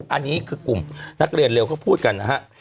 อันนี้คือกลุ่มนักเรียนเร็วเขาพูดกันนะฮะ